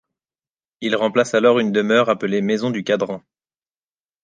Il remplace alors une demeure appelée Maison du Cadran.